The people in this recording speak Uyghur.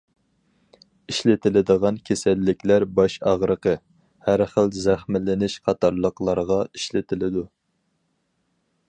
ئىشلىتىلىدىغان كېسەللىكلەر باش ئاغرىقى، ھەر خىل زەخىملىنىش قاتارلىقلارغا ئىشلىتىلىدۇ.